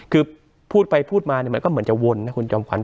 คือพูดไปพูดมามันก็เหมือนจะวน